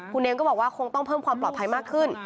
คุณเองก็บอกว่าคงต้องเพิ่มความปลอดภัยมากขึ้น